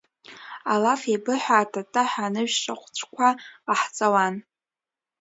Алаф еибыҳәо атта-ттаҳәа анышә шыхәҵәқәа ҟаҳҵауан.